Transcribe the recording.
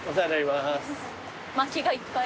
まきがいっぱい。